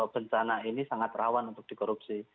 bencana ini sangat rawan untuk dikorupsi